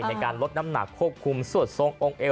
ในการลดน้ำหนักควบคุมสวดทรงองค์เอว